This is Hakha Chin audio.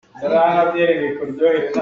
Vanpang ah ong pakhat a um.